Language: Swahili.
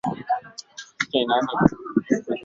Yeye baada ya kuondoka kwa jeshi la Waturuki Waosmani